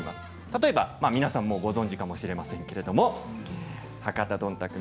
例えば、皆さんもご存じかもしれませんけれども博多どんたく